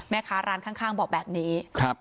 แม่ค้าร้านข้างบอกแบบนี้